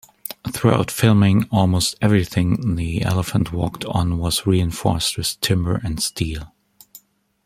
Throughout filming, almost everything the elephant walked on was reinforced with timber and steel.